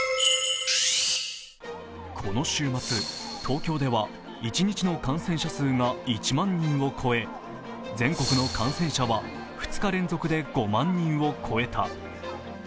この週末、東京では一日の感染者数が１万人を超え全国の感染者は２日連続で５万人を超えた。